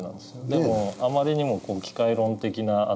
でもあまりにも機械論的な頭だと。